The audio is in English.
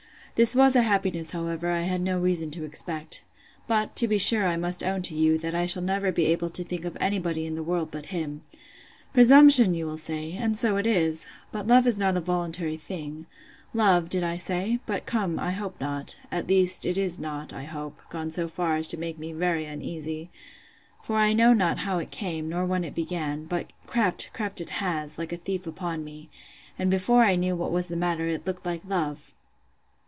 This was a happiness, however, I had no reason to expect. But, to be sure, I must own to you, that I shall never be able to think of any body in the world but him.—Presumption! you will say; and so it is: But love is not a voluntary thing: Love, did I say?—But come, I hope not:—At least it is not, I hope, gone so far as to make me very uneasy: For I know not how it came, nor when it began; but crept, crept it has, like a thief, upon me; and before I knew what was the matter, it looked like love.